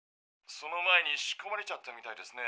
その前にしこまれちゃったみたいですね。